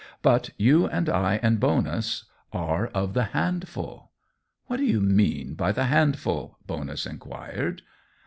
But you and I and Bonus are of the handful." "What do you mean by the handful?" Bonus inquired.